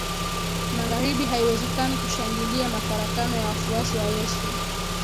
magharibi Haiwezekani kushangilia mafarakano ya wafuasi wa Yesu